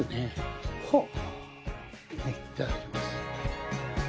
いただきます。